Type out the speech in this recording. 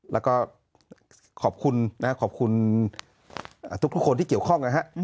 แล้วก็ขอบคุณนะครับขอบคุณทุกคนที่เกี่ยวข้องนะฮะ